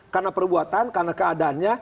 karena perbuatan karena keadaannya